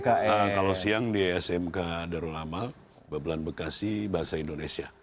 kalau siang di smk darul amal bebelan bekasi bahasa indonesia